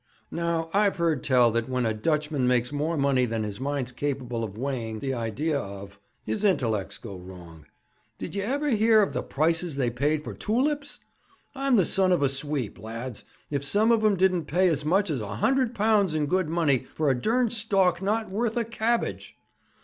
Now, I've heard tell that when a Dutchman makes more money than his mind's capable of weighing the idea of, his intellects go wrong. Did ye ever hear of the prices they paid for toolips? I'm the son of a sweep, lads, if some of 'em didn't pay as much as a £100 in good money for a durned stalk not worth a cabbage!